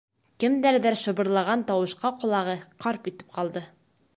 Кемдәрҙер шыбырлаған тауышҡа ҡолағы «ҡарп» итеп ҡалды.